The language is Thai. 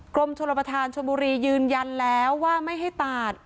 กรมชนประธานชนบุรียืนยันแล้วว่าไม่ให้ตัด